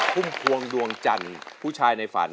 พุ่มพวงดวงจันทร์ผู้ชายในฝัน